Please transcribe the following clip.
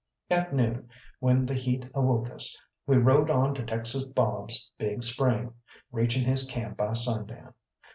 At noon, when the heat awoke us, we rode on to Texas Bob's big spring, reaching his camp by sundown.